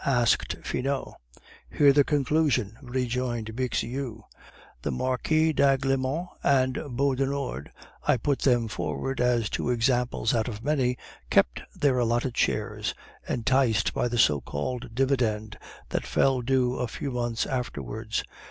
asked Finot. "Hear the conclusion," rejoined Bixiou. "The Marquis d'Aiglemont and Beaudenord (I put them forward as two examples out of many) kept their allotted shares, enticed by the so called dividend that fell due a few months afterwards.